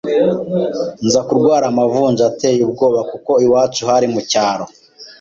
nza kurwara amavunja ateye ubwoba kuko iwacu hari mu cyaro